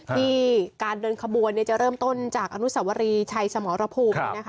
ที่การเดินขบวนจะเริ่มต้นจากอนุสวรีชัยสมรภูมิ